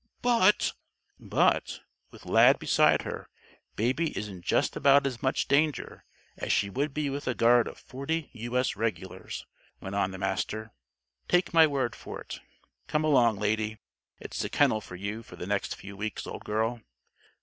"But " "But, with Lad beside her, Baby is in just about as much danger as she would be with a guard of forty U. S. Regulars," went on the Master. "Take my word for it. Come along, Lady. It's the kennel for you for the next few weeks, old girl.